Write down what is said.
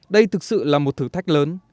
đây thực sự là một thử thách lớn